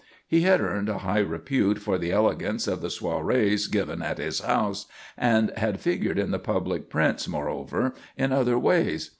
He had earned a high repute for the elegance of the soirées given at his house, and had figured in the public prints, moreover, in other ways.